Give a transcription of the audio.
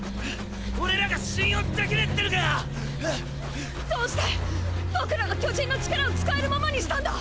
俺らが信用できねぇってのか⁉どうして僕らが巨人の力を使えるままにしたんだ